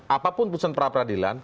apapun putusan perapradilan